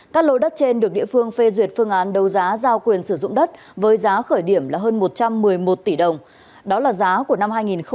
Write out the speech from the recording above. các lô đất trên được địa phương phê duyệt phương án đấu giá giao quyền sử dụng đất với giá khởi điểm là hơn một trăm một mươi một tỷ đồng đó là giá của năm hai nghìn một mươi chín